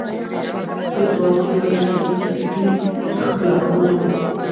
په ځواب کې ویل شوي چې فکري اختلافونه وو.